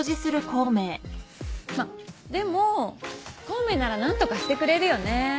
まっでも孔明なら何とかしてくれるよね。